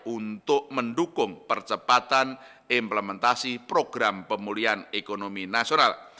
untuk mendukung percepatan implementasi program pemulihan ekonomi nasional